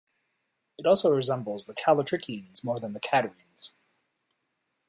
It also resembles the callitrichines more than the catarrhines.